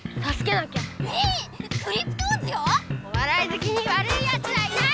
おわらいずきにわるいやつはいない！